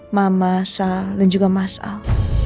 mama sa dan juga mas al